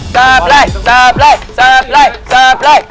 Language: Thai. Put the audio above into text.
สาบไล่สาบไล่สาบไล่